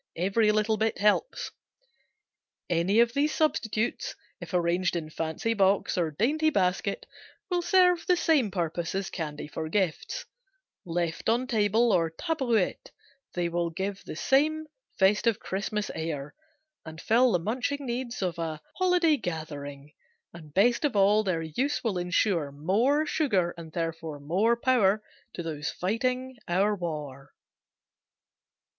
Every little bit helps. Any of these substitutes, if arranged in fancy box or dainty basket, will serve the same purpose as candy for gifts; left on table or tabourette they will give the same festive Christmas air and fill the munching needs of a holiday gathering; and best of all, their use will insure more sugar and therefore more power to those fighting our war.